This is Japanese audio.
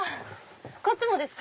こっちもですか？